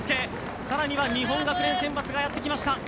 更には日本学連選抜がやってきました。